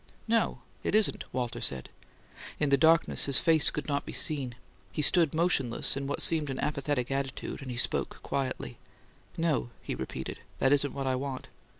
"No, it isn't," Walter said. In the darkness his face could not be seen; he stood motionless, in what seemed an apathetic attitude; and he spoke quietly, "No," he repeated. "That isn't what I want."